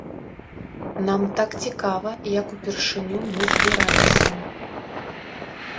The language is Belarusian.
Нам так цікава, як упершыню мы збіраліся.